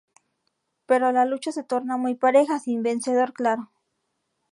Pero la lucha se torna muy pareja, sin un vencedor claro.